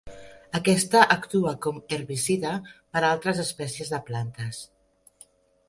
Aquesta actua com herbicida per a altres espècies de plantes.